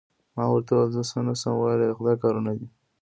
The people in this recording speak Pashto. ما ورته وویل: زه څه نه شم ویلای، د خدای کارونه دي.